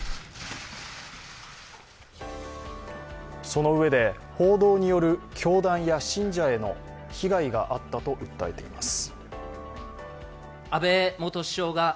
そのうえで、報道による教団や信者への被害があったと訴えています。